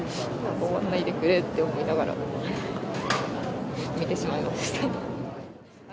終わらないでくれって思いながら見てしまいました。